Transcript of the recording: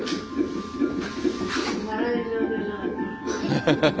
ハハハハ。